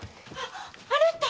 あなた！